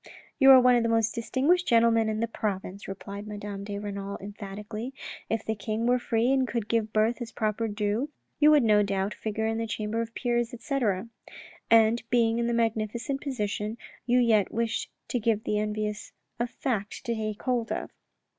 " You are one of the most distinguished gentlemen in the province," replied Madame de Renal emphatically. " If the king were free and could give birth its proper due, you would no doubt figure in the Chamber of Peers, etc. And being in this magnificent position, you yet wish to give the envious a fact to take hold of."